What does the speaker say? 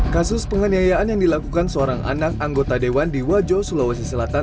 kasus penganiayaan yang dilakukan seorang anak anggota dewan di wajo sulawesi selatan